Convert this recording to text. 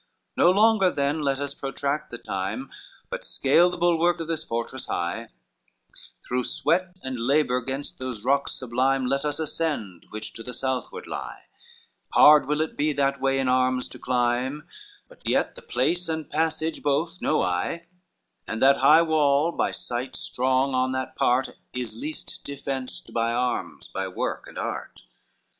LIV "No longer then let us protract the time, But scale the bulwark of this fortress high, Through sweat and labor gainst those rocks sublime Let us ascend, which to the southward lie; Hard will it be that way in arms to climb, But yet the place and passage both know I, And that high wall by site strong on that part, Is least defenced by arms, by work and art.